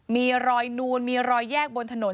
มีรอยนูนมีรอยแยกบนถนน